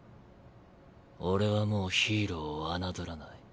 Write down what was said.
俺はもうヒーローを侮らない。